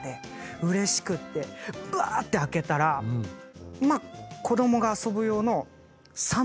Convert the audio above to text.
うれしくってぶわーって開けたら子供が遊ぶ用の。